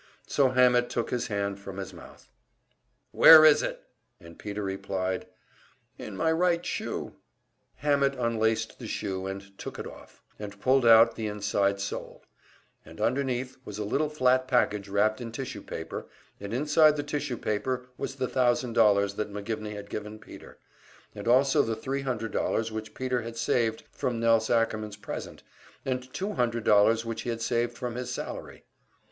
So Hammett took his hand from his mouth. "Where is it?" And Peter replied, "In my right shoe." Hammett unlaced the shoe and took it off, and pulled out the inside sole, and underneath was a little flat package wrapped in tissue paper, and inside the tissue paper was the thousand dollars that McGivney had given Peter, and also the three hundred dollars which Peter had saved from Nelse Ackerman's present, and two hundred dollars which he had saved from his salary.